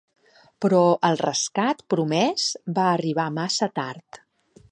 Però el rescat promès va arribar massa tard.